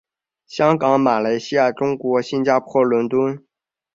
香港马来西亚中国新加坡伦敦